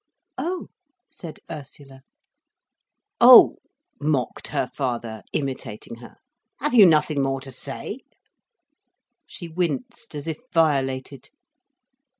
"Oh," said Ursula. "Oh," mocked her father, imitating her. "Have you nothing more to say?" She winced as if violated.